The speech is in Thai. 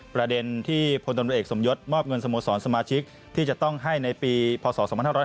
ประเด็นที่พลตำรวจเอกสมยศมอบเงินสโมสรสมาชิกที่จะต้องให้ในปีพศ๒๕๖๐